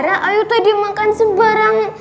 ayo tadi makan sebarang